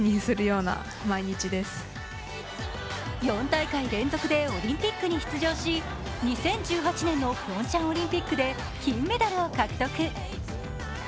４大会連続でオリンピックに出場し、２０１８年のピョンチャンオリンピックで金メダルを獲得。